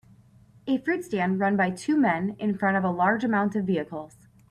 A fruit stand run by two men in front of a large amount of vehicles.